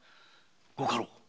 ご家老